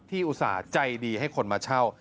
อุตส่าห์ใจดีให้คนมาเช่า